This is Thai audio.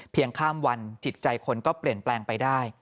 ข้ามวันจิตใจคนก็เปลี่ยนแปลงไปได้